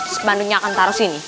spanduknya akan taruh sini